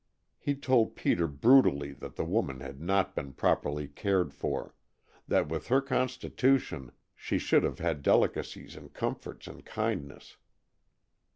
He told Peter brutally that the woman had not been properly cared for; that with her constitution, she should have had delicacies and comforts and kindness.